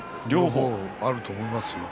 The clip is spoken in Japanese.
力はあると思いますよ。